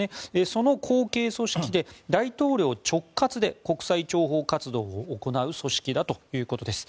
その後継組織で大統領直轄で国際諜報活動を行う組織だということです。